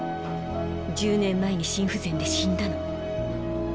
１０年前に心不全で死んだの。